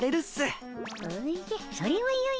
おじゃそれはよいの。